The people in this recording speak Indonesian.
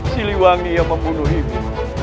siliwangi yang membunuh ibu